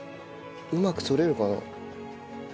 うまく取れるかな？